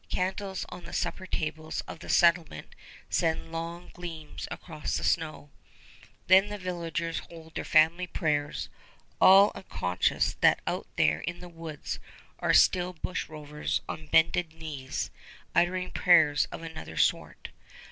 Candles on the supper tables of the settlement send long gleams across the snow. Then the villagers hold their family prayers, all unconscious that out there in the woods are the bushrovers on bended knees, uttering prayers of another sort.